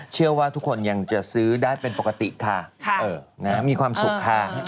เชื่อว่าทุกคนยังจะซื้อได้เป็นปกติค่ะมีความสุขค่ะ